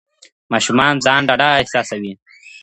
ماشومان ځان ډاډه احساسوي.